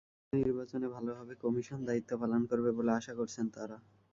City নির্বাচনে ভালোভাবে commission দায়িত্ব পালন করবে বলে আশা করছেন তাঁরা।